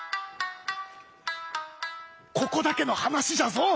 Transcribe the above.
ここだけの話じゃぞ！